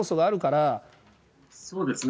そうですね。